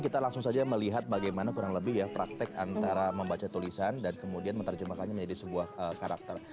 kita langsung saja melihat bagaimana kurang lebih ya praktek antara membaca tulisan dan kemudian menerjemahkannya menjadi sebuah karakter